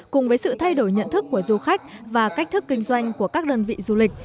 cùng với sự thay đổi nhận thức của du khách và cách thức kinh doanh của các đơn vị du lịch